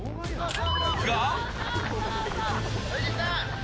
が！